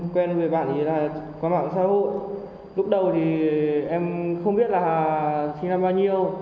quen với bạn ấy là có mạng xã hội lúc đầu thì em không biết là sinh năm bao nhiêu